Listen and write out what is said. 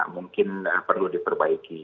mungkin perlu diperbaiki gitu